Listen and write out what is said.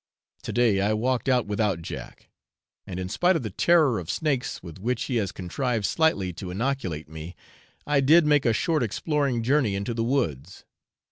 To day I walked out without Jack, and in spite of the terror of snakes with which he has contrived slightly to inoculate me, I did make a short exploring journey into the woods.